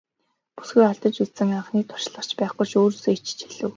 Бүсгүй алдаж үзсэн анхны туршлага ч байхгүй өөрөөсөө ичиж эхлэв.